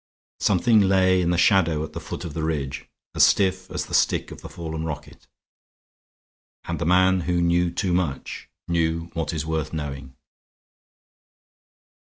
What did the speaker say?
Something lay in the shadow at the foot of the ridge, as stiff as the stick of the fallen rocket; and the man who knew too much knew what is worth knowing.